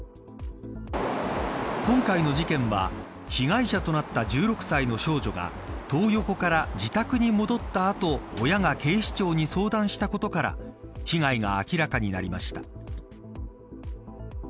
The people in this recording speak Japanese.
今回の事件は被害者となった１６歳の少女がトー横から自宅に戻った後親が警視庁に相談したことから被害が明らかになりました。